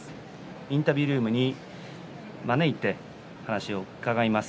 インタビュールームに招いてお話を伺います。